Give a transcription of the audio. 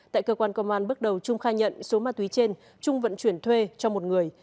tại cơ quan công an bước đầu trung khai nhận số ma túy trên trung vận chuyển thuê cho một người